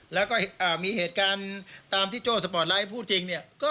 แล้วก็มีเหตุการณ์ตามที่โจ้สปอร์ตไลท์พูดจริงเนี่ย